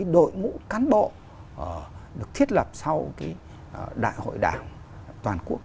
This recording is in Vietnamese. đội ngũ cán bộ được thiết lập sau đại hội đảng toàn quốc